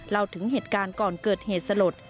เล่าถึงเหตุการณ์ก่อนเกิดเหตุสลด